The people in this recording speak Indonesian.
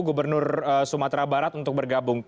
gubernur sumatera barat untuk bergabung